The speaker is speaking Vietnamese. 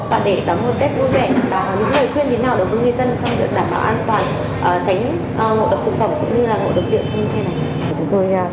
bạn để tấm một tết vui vẻ và những lời khuyên đến nào đối với người dân trong lượng đảm bảo an toàn tránh ngộ độc thực phẩm cũng như là ngộ độc rượu trong lương thế này